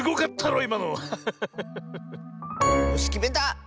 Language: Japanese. よしきめた！